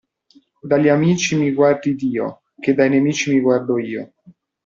Dagli amici mi guardi Dio, che dai nemici mi guardo io.